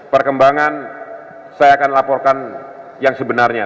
perkembangan saya akan laporkan yang sebenarnya